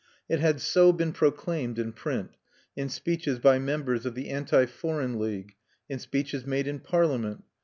It had so been proclaimed in print, in speeches by members of the anti foreign league, in speeches made in parliament.